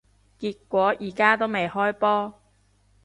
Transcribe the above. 結果而家都未開波